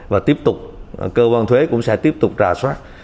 và tiếp tục cơ quan thuế cũng sẽ tiếp tục rà soát